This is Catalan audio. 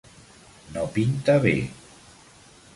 No pinta bé.